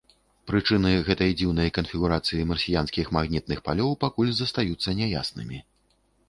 Прычыны гэтай дзіўнай канфігурацыі марсіянскіх магнітных палёў пакуль застаюцца няяснымі.